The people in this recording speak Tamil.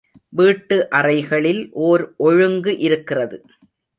வீட்டு அறைகளில் ஓர் ஒழுங்கு இருக்கிறது.